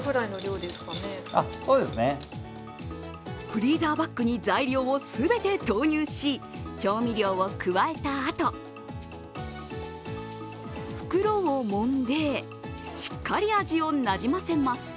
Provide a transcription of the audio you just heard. フリーザーバッグに材料を全て投入し調味料を加えたあと袋をもんでしっかり味をなじませます。